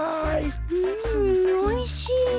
うんおいしい。